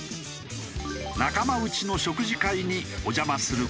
仲間内の食事会にお邪魔する事に。